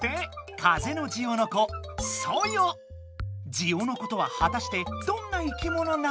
「ジオノコ」とははたしてどんな生きものなのか？